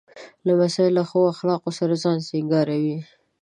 لمسی له ښو اخلاقو سره ځان سینګاروي.